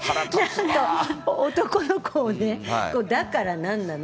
男の子をね、だからなんなの？